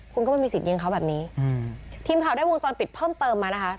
คุณก็ไม่มีสิทธิยิงเขาแบบนี้อืมทีมข่าวได้วงจรปิดเพิ่มเติมมานะคะ